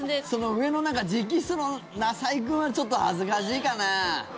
上の直筆のなさいくんはちょっと恥ずかしいかな。